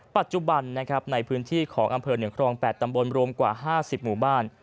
ปัจจุบันนะครับในพื้นที่ของอำเภอเหนือครอง๘ตำบลรวมกว่า๕๐หมู่บ้าน